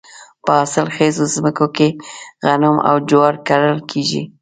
په حاصل خیزو ځمکو کې غنم او جوار کرل کیږي.